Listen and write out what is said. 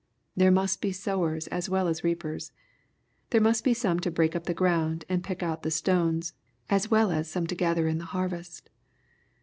There must be sowers as well as reapers. There must be some to break up the ground and pick out the stones, as well as some to gather in the harvest.